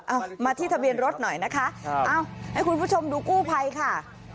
เอามาที่ทะเบียนรถหน่อยนะคะเอาให้คุณผู้ชมดูกู้ภัยค่ะ